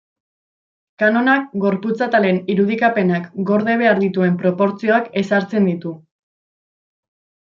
Kanonak gorputz-atalen irudikapenak gorde behar dituen proportzioak ezartzen ditu.